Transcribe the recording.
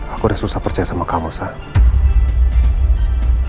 aku udah susah percaya sama kamu saya